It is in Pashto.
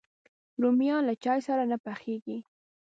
رومیان له چای سره نه پخېږي